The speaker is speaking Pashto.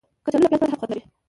کچالو له پیاز پرته هم خوند لري